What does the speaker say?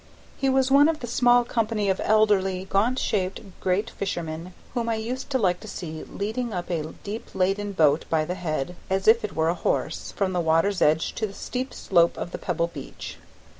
He was one of the small company of elderly, gaunt shaped great fisherman whom I used to like to see leading up a deep laden boat by the head, as if it were a horse, from the water's edge to the steep slope of the pebble beach.